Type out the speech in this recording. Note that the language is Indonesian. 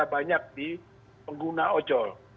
itu sudah banyak di pengguna ojol